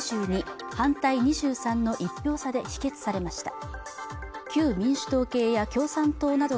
２２反対２３の１票差で否決されました